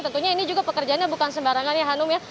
tentunya ini juga pekerjaannya bukan sembarangan ya hanum ya